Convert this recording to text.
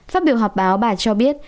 phát biểu họp báo bà cho biết